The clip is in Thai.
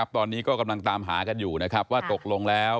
ตอนนี้กำลังตามหากันอยู่ว่าตกลงแล้ว